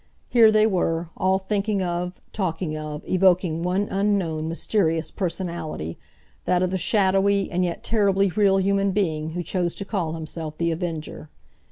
Here they were, all thinking of, talking of, evoking one unknown, mysterious personality—that of the shadowy and yet terribly real human being who chose to call himself The Avenger.